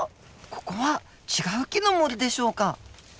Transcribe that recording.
ここは違う木の森でしょうか？